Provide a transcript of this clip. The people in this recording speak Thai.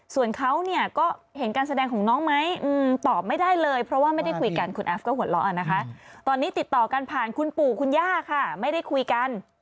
ตอนวันเกิดก็เชิญไปแล้วจอยอะค่ะ